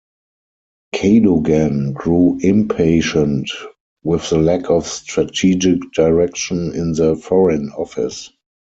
Cadogan grew impatient with the lack of strategic direction in the Foreign Office.